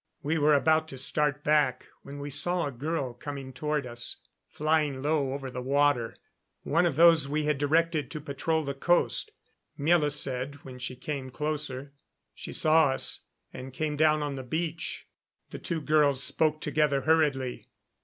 We were about to start back when we saw a girl coming toward us, flying low over the water. One of those we had directed to patrol the coast, Miela said when she came closer. She saw us, and came down on the beach. The two girls spoke together hurriedly.